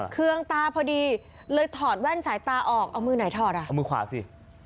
เครื่องตาพอดีเลยถอดแว่นสายตาออกเอามือไหนถอดอ่ะเอามือขวาสิ